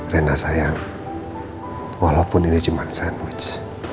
rena saya walaupun ini cuma sandwich